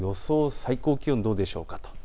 最高気温、どうでしょうか。